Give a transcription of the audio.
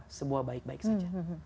itu semua baik baik saja